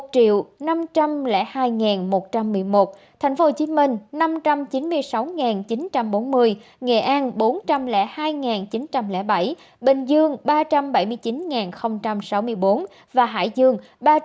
một triệu năm trăm linh hai một trăm một mươi một tp hcm năm trăm chín mươi sáu chín trăm bốn mươi nghệ an bốn trăm linh hai chín trăm linh bảy bình dương ba trăm bảy mươi chín sáu mươi bốn hải dương ba trăm bốn mươi tám năm mươi năm